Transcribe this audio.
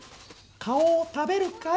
顔を食べるかい？